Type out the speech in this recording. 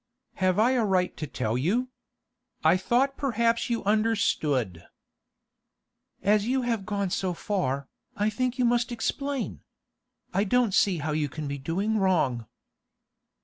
'Have I a right to tell you? I thought perhaps you understood.' 'As you have gone so far, I think you must explain. I don't see how you can be doing wrong.